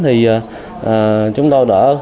thì chúng tôi đã